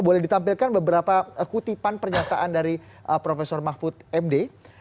boleh ditampilkan beberapa kutipan pernyataan dari prof mahfud md